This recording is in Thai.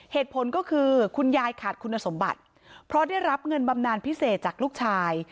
เหตุผลก็คือคุณยายขาดคุณสมบัติเพราะได้รับเงินบำนานพิเศษจากลูกชาย